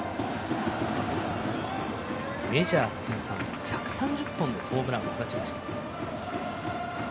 メジャー通算１３０本のホームランを放ちました。